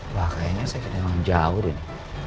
wah kayaknya saya memang jauh ini